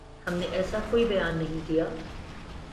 ہم نے ایسا کوئی بیان نہیں دیا